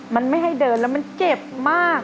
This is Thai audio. มันไม่ให้เดินแล้วมันเจ็บมาก